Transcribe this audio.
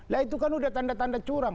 lah itu kan sudah tanda tanda curang